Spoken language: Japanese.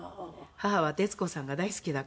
母は徹子さんが大好きだから。